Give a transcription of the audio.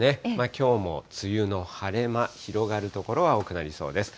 きょうも梅雨の晴れ間、広がる所は多くなりそうです。